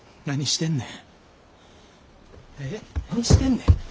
何してんねん。